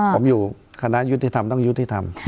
ผมอยู่คณะยุติธรรมต้องยุติธรรม